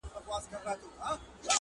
اوس به څنګه پر اغزیو تر منزل پوري رسیږي-